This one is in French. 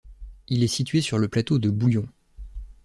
Il est situé sur le plateau de Bouillon.